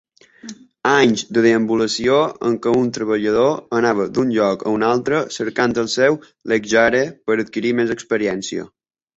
Anys de deambulació, en què un treballador anava d'un lloc a un altre cercant el seu Lekrjahre, per adquirir més experiència.